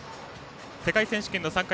世界選手権の参加